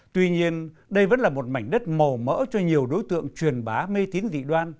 tuy nhiên đây vẫn là một mảnh đất màu mỡ cho nhiều đối tượng truyền bá mê tín dị đoan